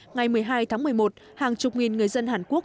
ngày một mươi hai tháng một mươi một hàng chục nghìn người dân hàn quốc